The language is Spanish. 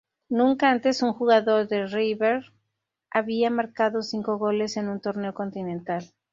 Nunca antes un jugador de River había marcado cinco goles en un torneo continental.